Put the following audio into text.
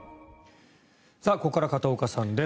ここから片岡さんです。